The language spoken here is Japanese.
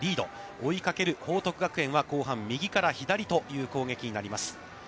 追いかける報徳学園は、後半、右から左という攻撃になります。